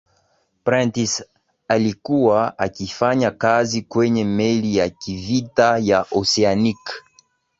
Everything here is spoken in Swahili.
prentice alikuwa akifanya kazi kwenye meli ya kivita ya oceanic